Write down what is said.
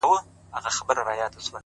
موږه د هنر په لاس خندا په غېږ كي ايښې ده;